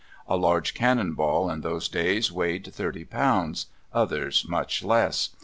A large cannon ball in those days weighed 30 pounds, others much less.